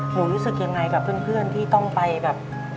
รู้สึกยังไงกับเพื่อนที่ต้องไปแบบ